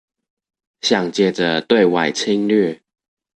想藉著對外侵略